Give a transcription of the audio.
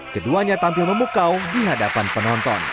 keduanya tampil memukau di hadapan penonton